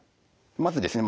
まずですね